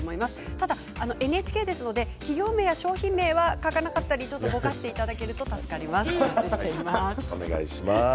ただＮＨＫですので、企業名や商品名は書かなかったりちょっとぼかしていただけると助かります。